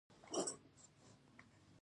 ژبه د فکر وسیله ده.